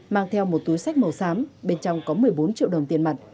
mang theo một túi sách màu xám bên trong có một mươi bốn triệu đồng tiền mặt